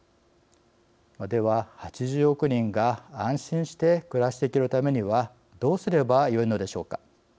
では、８０億人が安心して暮らしていけるためにはどうすればよいのでしょうか。